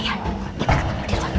jangan lagi aja